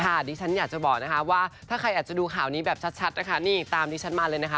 ทีนี้ฉันอยากจะบอกว่าถ้าใครจะดูข่าวนี้แบบชัดตามที่ฉันมาเลยนะคะ